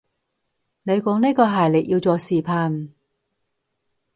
你講呢個系列要做視頻